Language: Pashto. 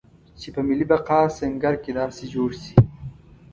چې په ملي بقا سنګر کې داسې جوړ شي.